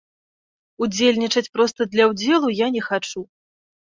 Удзельнічаць проста для ўдзелу я не хачу.